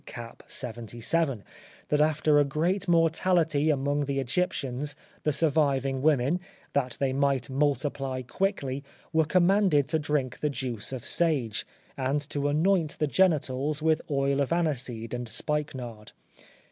cap. 77, that after a great mortality among the Egyptians, the surviving women, that they might multiply quickly, were commanded to drink the juice of sage, and to anoint the genitals with oil of aniseed and spikenard.